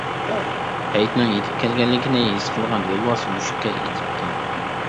پەيتنىڭ يېتىپ كەلگەنلىكىنى ھېس قىلغان يولۋاس مۈشۈككە ئېتىپتۇ.